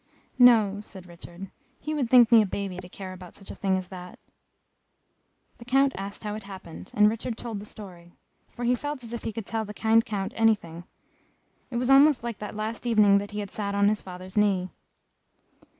"No," said Richard, "he would think me a baby to care about such a thing as that!" The Count asked how it happened, and Richard told the story, for he felt as if he could tell the kind Count anything it was almost like that last evening that he had sat on his father's knee.